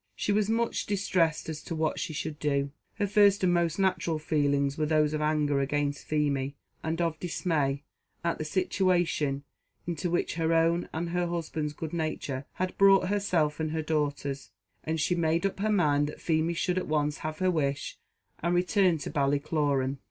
She was much distressed as to what she should do. Her first and most natural feelings were those of anger against Feemy, and of dismay at the situation into which her own and her husband's good nature had brought herself and her daughters; and she made up her mind that Feemy should at once have her wish and return to Ballycloran.